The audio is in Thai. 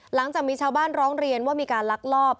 หลังจากมีชาวบ้านร้องเรียนว่ามีการลักลอบ